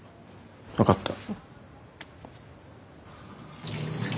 分かった。